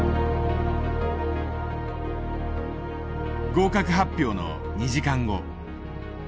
合格発表の２時間後。